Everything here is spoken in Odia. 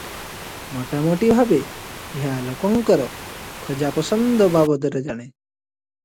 ମୋଟାମୋଟି ଭାବେ ଏହା ଲୋକଙ୍କର ଖୋଜା ପସନ୍ଦ ବାବଦରେ ଜାଣେ ।